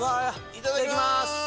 いただきます。